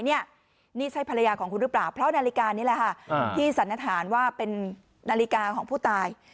นี่ใช่ภรรยาของคุณหรือเปล่าเพราะนาฬิกานี่แหละค่ะที่สันนิษฐานว่าเป็นนาฬิกาของผู้ตาย